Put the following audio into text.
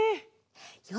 よ